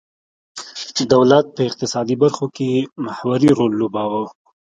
دولت په اقتصادي برخو کې محوري رول لوباوه.